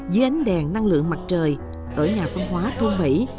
dưới ánh đèn năng lượng mặt trời ở nhà văn hóa thôn bẫy